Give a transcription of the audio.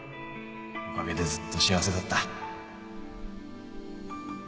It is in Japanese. おかげでずっと幸せだった